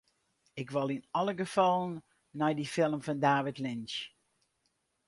Ik wol yn alle gefallen nei dy film fan David Lynch.